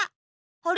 あれ？